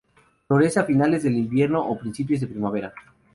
Florece a fines del invierno o principios de primavera.